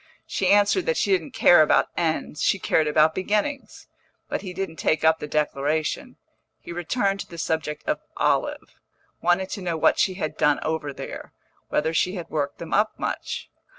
She answered that she didn't care about ends, she cared about beginnings; but he didn't take up the declaration; he returned to the subject of Olive, wanted to know what she had done over there, whether she had worked them up much.